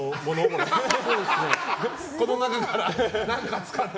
この中から何か使って。